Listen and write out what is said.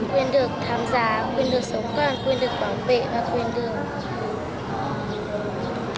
quyền được tham gia quyền được sống quyền lực bảo vệ và quyền được